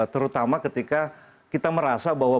terutama ketika kita merasa bahwa